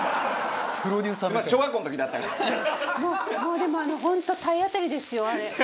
もうでもあの本当体当たりですよあれ。